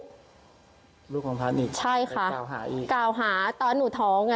ลูกของพระอาทิตย์และกล่าวหาอีกใช่ค่ะกล่าวหาตอนหนูท้อง